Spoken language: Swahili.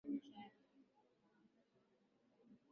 katika mashamba makubwa yaliyolima mazao ya biashara